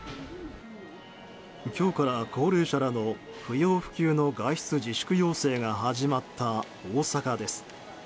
今日から高齢者らの不要不急の外出自粛要請が始まった大阪です。